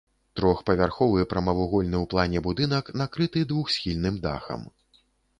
Трохпавярховы прамавугольны ў плане будынак накрыты двухсхільным дахам.